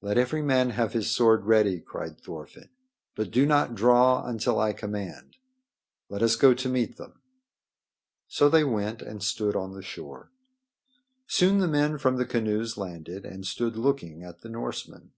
"Let every man have his sword ready," cried Thorfinn. "But do not draw until I command. Let us go to meet them." So they went and stood on the shore. Soon the men from the canoes landed and stood looking at the Norsemen.